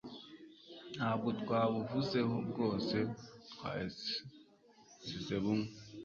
ntabwo twabuvuzeho bwose twasize bumwe